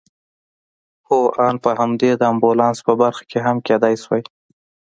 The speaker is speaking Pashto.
هو آن په همدې د امبولانس په برخه کې هم کېدای شوای.